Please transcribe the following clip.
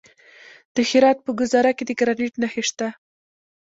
د هرات په ګذره کې د ګرانیټ نښې شته.